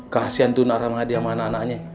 kasian tuh naramadi sama anak anaknya